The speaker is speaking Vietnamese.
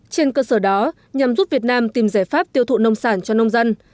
trên cơ sở đó nhằm giúp việt nam tìm giải pháp tiêu thụ nông sản cho nông dân